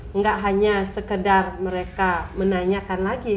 enggak hanya sekedar mereka menanyakan lagi